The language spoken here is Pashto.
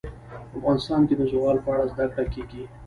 افغانستان کې د زغال په اړه زده کړه کېږي.